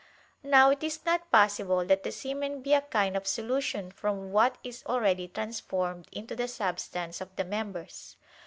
Now it is not possible that the semen be a kind of solution from what is already transformed into the substance of the members.